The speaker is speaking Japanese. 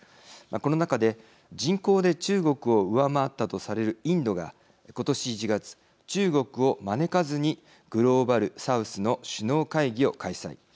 この中で人口で中国を上回ったとされるインドが今年１月、中国を招かずにグローバル・サウスの首脳会議を開催。